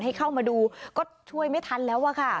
ให้เข้ามาดูก็ช่วยไม่ทันแล้วอะค่ะ